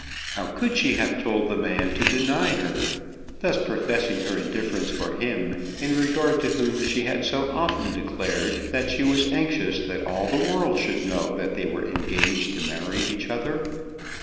How could she have told the man to deny her, thus professing her indifference for him in regard to whom she had so often declared that she was anxious that all the world should know that they were engaged to marry each other?